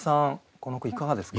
この句いかがですか？